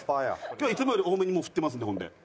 今日いつもより多めに振ってますんでほんで。